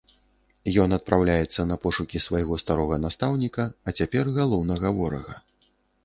Ён адпраўляецца на пошукі свайго старога настаўніка, а цяпер галоўнага ворага.